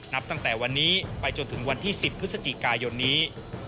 นับตั้งแต่วันนี้ไปจนถึงวันที่๑๐พฤศจิกายนนี้